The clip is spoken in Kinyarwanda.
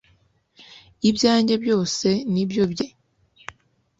ibyanjye byose ni byo bye